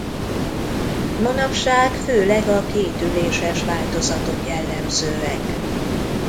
Manapság főleg a kétüléses változatok jellemzőek.